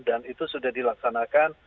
dan itu sudah dilaksanakan